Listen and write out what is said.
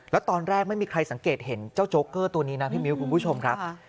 แล้วตอนแรกไม่มีใครสังเกตเห็นเจ้าโจ๊กเกอร์ตัวนี้นะพี่มิ้วคุณผู้ชมครับ